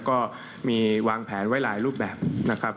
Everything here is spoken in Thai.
ก็มีวางแผนไว้หลายรูปแบบนะครับ